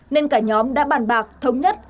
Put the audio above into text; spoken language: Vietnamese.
nên cả nhóm đã bàn bạc thống nhất